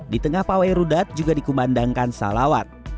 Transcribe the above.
di tengah pawai rudat juga dikumandangkan salawat